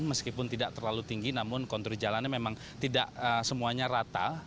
meskipun tidak terlalu tinggi namun kontur jalannya memang tidak semuanya rata